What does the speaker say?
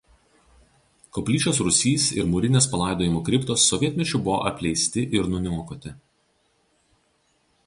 Koplyčios rūsys ir mūrinės palaidojimų kriptos sovietmečiu buvo apleisti ir nuniokoti.